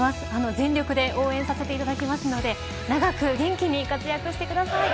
全力で応援させていただきますので長く元気に活躍してください。